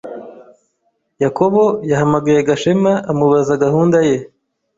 Yakobo yahamagaye Gashema amubaza gahunda ye.